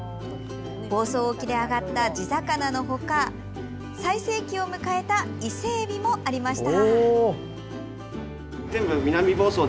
房総沖で揚がった地魚の他最盛期を迎えた伊勢えびもありました。